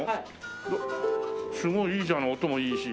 すごいいいじゃない音もいいし。